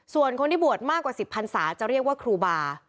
ส่วนคนที่บวชมากกว่า๑๐พันศาจะเรียกว่าครูบา